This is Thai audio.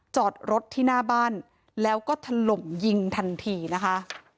จอดรถที่หน้าบ้านแล้วก็ถล่มยิงทันทีนะคะ